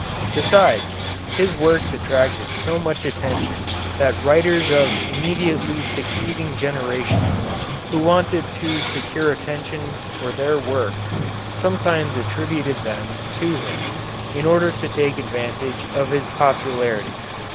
Besides, his works attracted so much attention that writers of immediately succeeding generations who wanted to secure attention for their works sometimes attributed them to him in order to take advantage of his popularity.